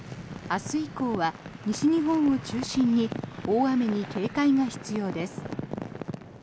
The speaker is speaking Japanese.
明日以降は西日本を中心に大雨に警戒が必要です。